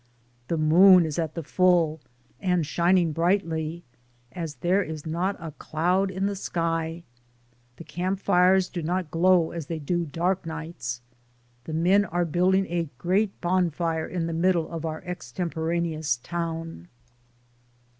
The moon is at the full and shining brightly as there is not a cloud in the sky, the camp fires do not glow as they do dark nights. The men are building a great bonfire in the middle of our extemporaneous town.